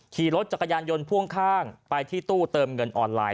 ขี่รถจักรยานยนต์พ่วงข้างไปที่ตู้เติมเงินออนไลน